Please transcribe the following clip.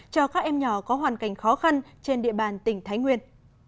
cho các em nhỏ có hoàn cảnh khó khăn trên địa bàn tỉnh thái nguyên